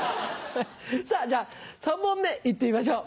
さぁじゃ３問目行ってみましょう。